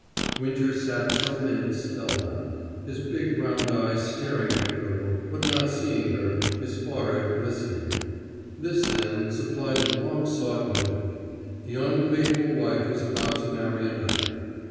Winter sat some minutes spellbound, his big round eyes staring at the girl, but not seeing her, his forehead glistening. This, then, supplied the long sought motive. The unfaithful wife was about to marry another.